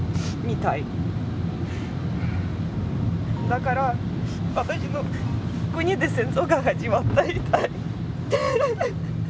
だから私の国で戦争が始まったみたい。